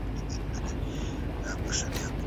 کم خوب فکر ګډوډوي.